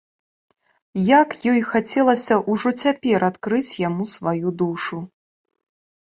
Як ёй хацелася ўжо цяпер адкрыць яму сваю душу!